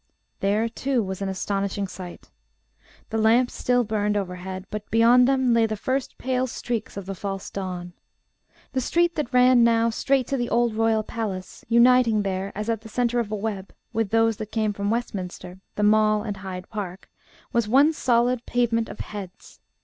There, too, was an astonishing sight. The lamps still burned overhead, but beyond them lay the first pale streaks of the false dawn. The street that ran now straight to the old royal palace, uniting there, as at the centre of a web, with those that came from Westminster, the Mall and Hyde Park, was one solid pavement of heads.